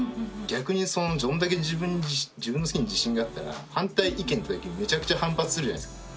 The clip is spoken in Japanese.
逆にそんだけ自分の好きに自信があったら反対意見きた時にめちゃくちゃ反発するじゃないですか。